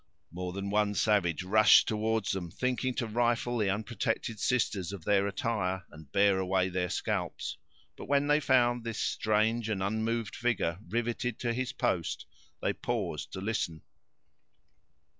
More than one savage rushed toward them, thinking to rifle the unprotected sisters of their attire, and bear away their scalps; but when they found this strange and unmoved figure riveted to his post, they paused to listen.